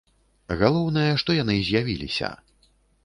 Галоўнае, што яны з'явіліся.